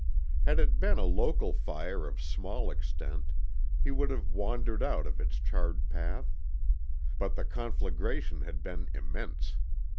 Had it been a local fire of small extent he would have "wandered" out of its charred path. But the conflagration had been immense.